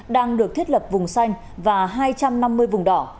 đang được thiết lập vùng xanh và hai trăm năm mươi vùng đỏ